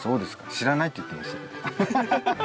知らないって言ってました。